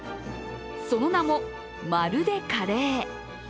その名も、まるでカレー。